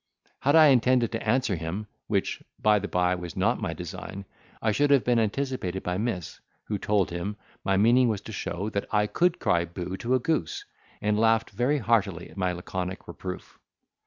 Had I intended to answer him, which by the by was not my design, I should have been anticipated by Miss, who told him, my meaning was to show, that I could cry Bo to a goose; and laughed very heartily at my laconic reproof.